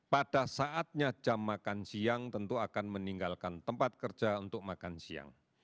pada saatnya jam makan siang tentu akan meninggalkan tempat kerja untuk makan siang